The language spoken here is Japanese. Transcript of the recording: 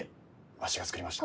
わしが造りました。